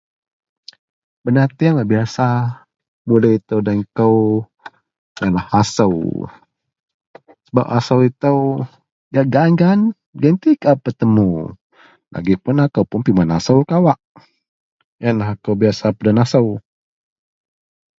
benateng wak biasa mudei itou den kou ienlah asou sebab asou itou gak gaan-gaan gerenti kaau petemu, agei pun akou pun pimen asou kawak, ienlah akou biasa peden asou